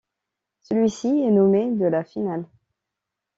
Celui-ci est nommé de la finale.